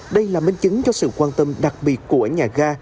đây là minh chứng cho sự quan tâm đặc biệt của nhà ga